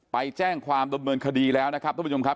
ไปแจ้งความดำเนินคดีแล้วนะครับท่านผู้ชมครับ